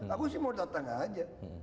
aku sih mau datang aja